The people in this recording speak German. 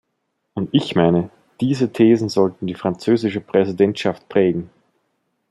Und ich meine, diese Themen sollten die französische Präsidentschaft prägen.